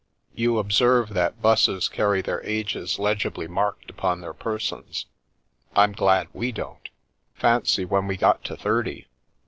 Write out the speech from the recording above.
You observe that 'buses carry their ages legibly marked upon their persons — I'm glad we don't. Fancy when we got to thirty